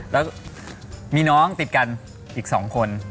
แล้วมีน้องติดกันอีก๒คน